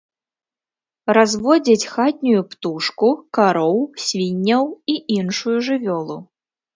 Разводзяць хатнюю птушку, кароў, свінняў і іншую жывёлу.